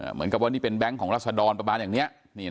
เหมือนกับว่านี่เป็นแก๊งของรัศดรประมาณอย่างนี้